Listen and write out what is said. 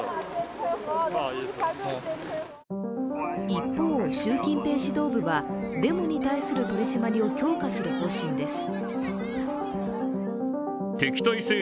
一方、習近平指導部はデモに対する取り締まりを強化する方針です。